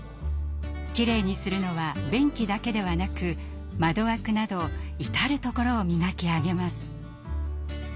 きれいにするのは便器だけではなく窓枠など至る所を磨き上げます。